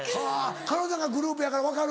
彼女なんかグループやから分かる？